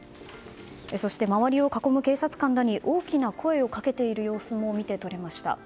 そして周りを囲む警察官らに大きな声をかける様子も見て取れました。